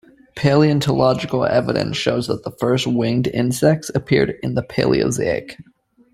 Paleontological evidence shows that the first winged insects appeared in the Paleozoic.